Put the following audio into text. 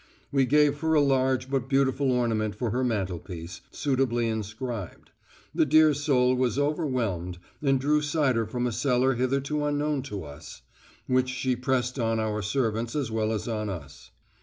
We gave her a large but beautiful ornament for her mantelpiece, suitably inscribed. The dear soul was overwhelmed, and drew cider from a cellar hitherto unknown to us, which she pressed on our servants as well as on us.